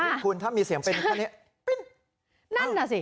อย่างนี้คุณถ้ามีเสียงเป็นแบบนี้ปิ๊บนั่นน่ะสิ